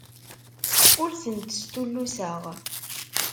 Ur tent-stulluseɣ.